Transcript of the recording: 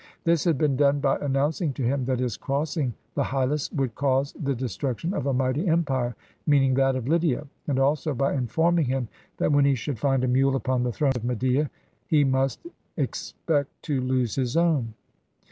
This had been done by announc ing to him that his crossing the Halys would cause the destruction of a mighty empire, meaning that of Lydia; and also by informing him that when he should find a mule upon the throne of Media he must expect to lose his own.